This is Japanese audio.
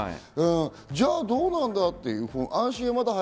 じゃあどうなんだって。